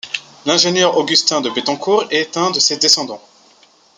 L'ingénieur Agustín de Betancourt est un de ses descendants.